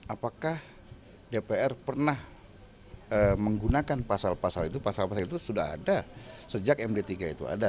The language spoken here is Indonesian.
apakah dpr pernah menggunakan pasal pasal itu pasal pasal itu sudah ada sejak md tiga itu ada